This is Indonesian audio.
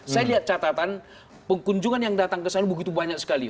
saya lihat catatan pengkunjungan yang datang ke sana begitu banyak sekali